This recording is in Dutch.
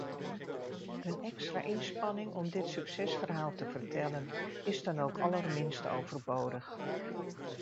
Een extra inspanning om dit succesverhaal te vertellen, is dan ook allerminst overbodig.